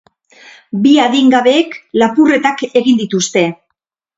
Bi adingabeek lapurretak egin dituzte.